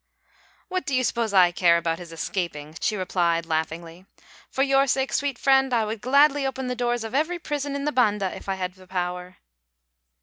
"What do you suppose I care about his escaping?" she replied laughingly. "For your sake, sweet friend, I would gladly open the doors of every prison in the Banda if I had the power."